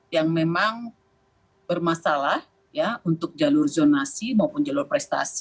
yang memang bermasalah untuk jalur zonasi maupun jalur prestasi